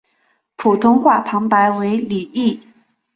普通话旁白为李易。